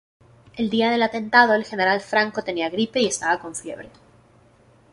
El día del atentado el general Franco tenía gripe y estaba con fiebre.